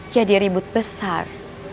jadi ribut besar